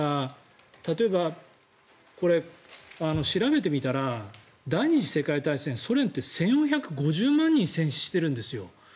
例えば、これ、調べてみたら第２次世界大戦ソ連って１４５０万人も戦死しているんです。